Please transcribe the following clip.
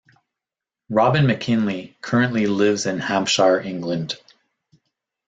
Robin McKinley currently lives in Hampshire, England.